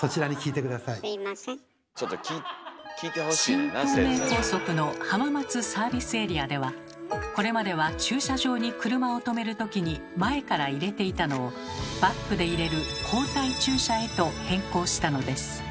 新東名高速の浜松サービスエリアではこれまでは駐車場に車をとめる時に前から入れていたのをバックで入れる「後退駐車」へと変更したのです。